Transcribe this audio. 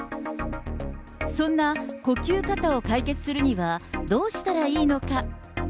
そんな呼吸過多を解決するには、どうしたらいいのか。